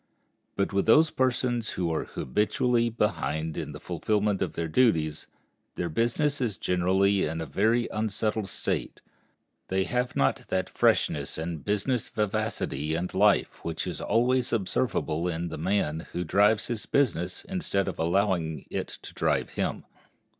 But with those persons who are habitually behind in the fulfillment of their duties, their business is generally in a very unsettled state. They have not that freshness and business vivacity and life which is always observable in the man who drives his business instead of allowing it to drive him.